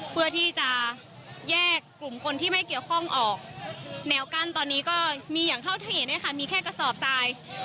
เพื่อที่จะแยกกลุ่มคนที่ไม่เกี่ยวข้องออกแนวกั้นตอนนี้ก็มีอย่างเท่าที่เห็นเนี่ยค่ะมีแค่กระสอบทราย